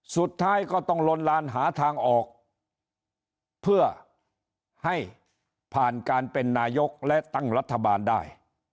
สุดท้ายก็ต้องลนลานหาทางออกเพื่อให้ผ่านการเป็นนายกและตั้งรัฐบาลได้